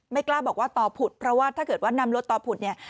กล้าบอกว่าต่อผุดเพราะว่าถ้าเกิดว่านำรถต่อผุดเนี่ย